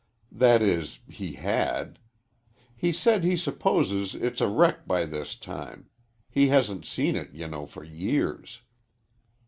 That is, he had. He says he supposes it's a wreck by this time. He hasn't seen it, you know, for years."